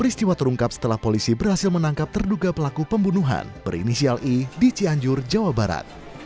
peristiwa terungkap setelah polisi berhasil menangkap terduga pelaku pembunuhan berinisial i di cianjur jawa barat